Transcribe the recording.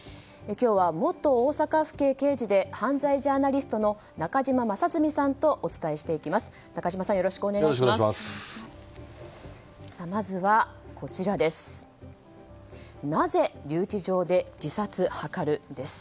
今日は元大阪府警刑事で犯罪ジャーナリストの中島正純さんとお伝えしていきます。